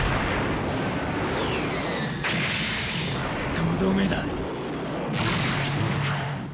とどめだ。